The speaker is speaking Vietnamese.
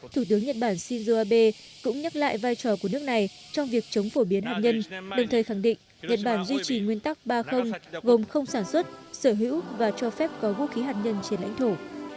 thủ tướng nhật bản shinzo abe cũng nhắc lại vai trò của nước này trong việc chống phổ biến hạt nhân đồng thời khẳng định nhật bản duy trì nguyên tắc ba gồm không sản xuất sở hữu và cho phép có vũ khí hạt nhân trên lãnh thổ